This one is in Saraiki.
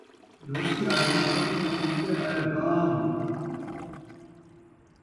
لُہچی آہی لک کوں ، نکل آیا گامب